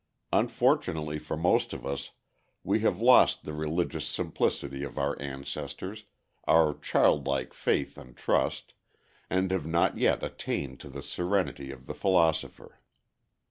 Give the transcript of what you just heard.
Unfortunately for most of us, we have lost the religious simplicity of our ancestors, our childlike faith and trust, and have not yet attained to the serenity of the philosopher.